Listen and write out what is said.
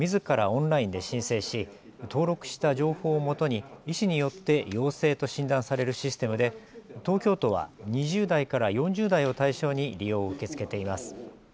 オンラインで申請し登録した情報をもとに医師によって陽性と診断されるシステムで東京都は２０代から４０代を対象に利用を受け付けています。